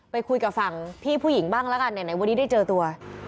ไปคุยกับฝั่งพี่ผู้หญิงบ้างแล้วกันไหนวันนี้ได้เจอตัว